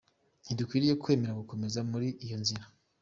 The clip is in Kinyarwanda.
Ntidukwiriye kwemera gukomereza muri iyo nzira.